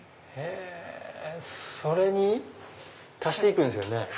それに足して行くんですよね。